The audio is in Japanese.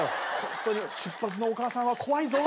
ホントに出発のお母さんは怖いぞ。